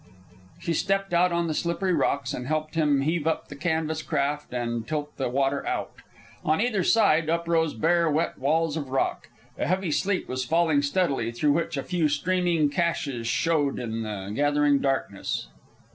She stepped out on the slippery rocks and helped him heave up the canvas craft and tilt the water out. On either side uprose bare wet walls of rock. A heavy sleet was falling steadily, through which a few streaming caches showed in the gathering darkness.